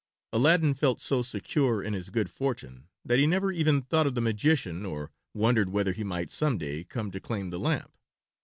Aladdin felt so secure in his good fortune that he never even thought of the magician or wondered whether he might some day come to claim the lamp.